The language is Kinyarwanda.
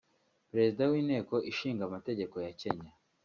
Perezida w’Inteko Ishinga Amategeko ya Kenya